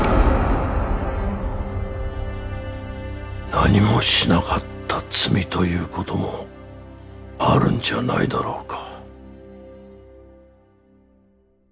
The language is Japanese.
なにもしなかった罪ということもあるんじゃないだろうか。